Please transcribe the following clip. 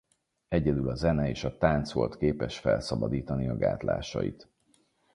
Egyedül a zene és a tánc volt képes felszabadítani a gátlásait.